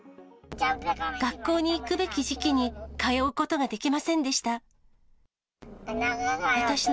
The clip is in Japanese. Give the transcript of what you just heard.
学校に行くべき時期に通うことができませんでした。